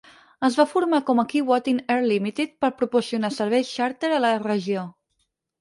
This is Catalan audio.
Es va formar com a "Keewatin Air Limited" per proporcionar serveis xàrter a la regió.